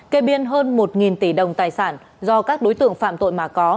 kê biên hơn một tỷ đồng tài sản do các đối tượng phạm tội mà có